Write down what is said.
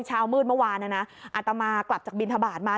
เช้ามืดเมื่อวานนะอาตมากลับจากบินทบาทมา